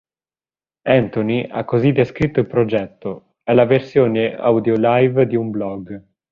Anthony ha così descritto il progetto: "è la versione audio live di un blog.